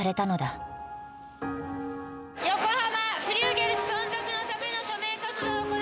横浜フリューゲルス存続のための署名活動を行っております！